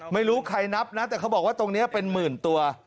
ไม่รู้ใครนับนะแต่เขาบอกว่าตรงนี้เป็นหมื่นตัว